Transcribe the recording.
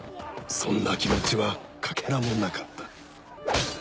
そんな気持ちはかけらもなかった。